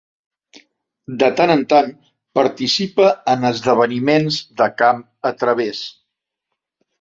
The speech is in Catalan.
De tant en tant participa en esdeveniments de camp a través.